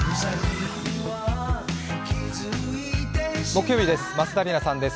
木曜日です。